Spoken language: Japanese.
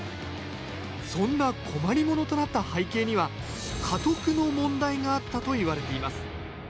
そんな困り者となった背景には家督の問題があったといわれています。